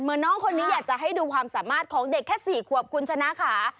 น้องคนนี้อยากจะให้ดูความสามารถของเด็กแค่๔ขวบคุณชนะค่ะ